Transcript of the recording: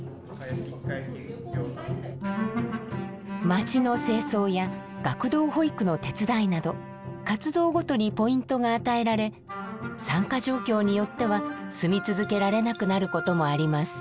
街の清掃や学童保育の手伝いなど活動ごとにポイントが与えられ参加状況によっては住み続けられなくなることもあります。